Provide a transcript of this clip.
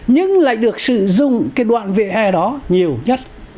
nhưng lại được sử dụng cái đoạn vỉa hè đó nhiều nhất